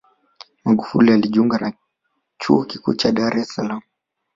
Magufuli alijiunga na Chuo Kikuu cha Dar es Salaam